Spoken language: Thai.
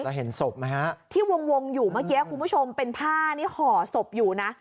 แล้วเห็นศพไหมฮะที่วงวงอยู่เมื่อกี้คุณผู้ชมเป็นผ้านี่ห่อศพอยู่นะ